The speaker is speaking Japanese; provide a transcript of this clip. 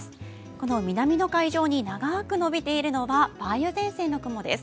この南の海上に長く延びているのは梅雨前線の雲です。